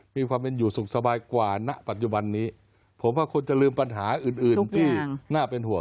มีความเป็นอยู่สุขสบายกว่าณปัจจุบันนี้ผมว่าควรจะลืมปัญหาอื่นอื่นที่น่าเป็นห่วง